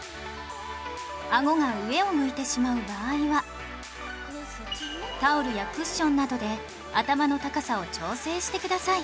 アゴが上を向いてしまう場合はタオルやクッションなどで頭の高さを調整してください